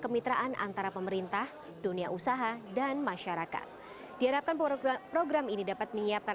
kemitraan antara pemerintah dunia usaha dan masyarakat diharapkan program ini dapat menyiapkan